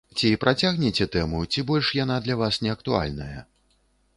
Ці працягнеце тэму, ці больш яна для вас не актуальная?